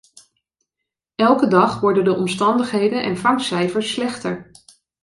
Elke dag worden de omstandigheden en vangstcijfers slechter.